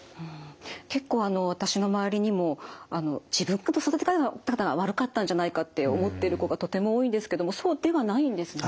結構私の周りにも自分の育て方が悪かったんじゃないかと思ってる子がとても多いんですけれどもそうではないんですね。